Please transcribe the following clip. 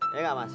iya enggak mas